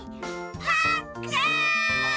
パックン！